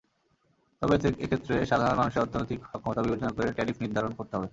তবে এক্ষেত্রে সাধারণ মানুষের অর্থনৈতিক সক্ষমতা বিবেচনা করে ট্যারিফ নির্ধারণ করতে হবে।